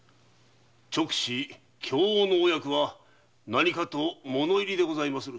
勅使供応のお役は何かと物入りでございまする。